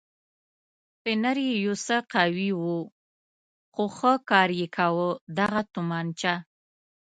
فنر یې یو څه قوي و خو ښه کار یې کاوه، دغه تومانچه.